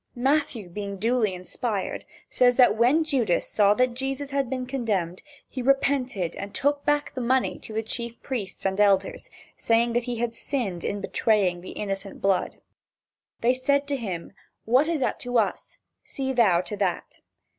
Matthew being duly "inspired" says that when Judas saw that Jesus had been condemned, he repented and took back the money to the chief priests and elders, saying that he had sinned in betraying the innocent blood. They said to him: "What is that to us? See thou to that."